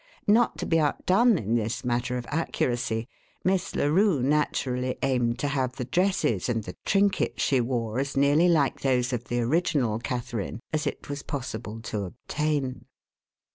Not to be outdone in this matter of accuracy, Miss Larue naturally aimed to have the dresses and the trinkets she wore as nearly like those of the original Catharine as it was possible to obtain.